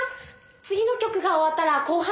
次の曲が終わったら後半です。